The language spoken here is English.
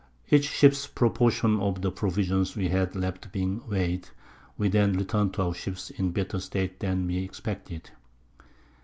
Each Ship's Proportion of the Provisions we had left being weigh'd, we then return'd to our Ships in a better state than we expected.